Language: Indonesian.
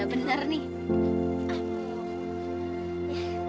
nggak bener nih